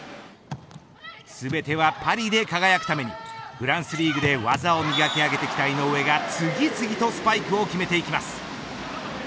全てはパリへ輝くためにフランスリーグで技を磨き上げてきた井上が次々とスパイクを決めていきます。